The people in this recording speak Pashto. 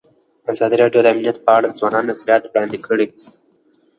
ازادي راډیو د امنیت په اړه د ځوانانو نظریات وړاندې کړي.